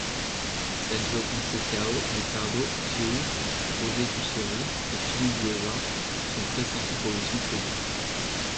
Sergio Conceição, Ricardo Chéu, José Couceiro et Filipe Gouveia sont pressentis pour lui succéder.